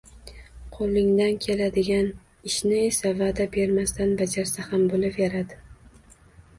Qo’lingdan keladigan ishni esa, va’da bermasdan bajarsa ham bo’laveradi.